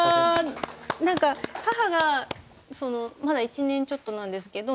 何か母がまだ１年ちょっとなんですけど亡くなって。